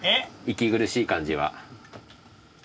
息苦い感じは？